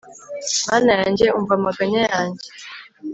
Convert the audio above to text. mana yanjye, umva amaganya yanjye